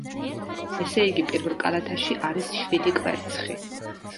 ესე იგი, პირველ კალათაში არის შვიდი კვერცხი.